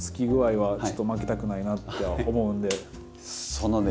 そのね